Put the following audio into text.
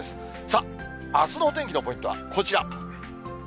さあ、あすのお天気のポイントはこちら。